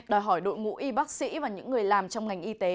đòi hỏi đội ngũ y bác sĩ và những người làm trong ngành y tế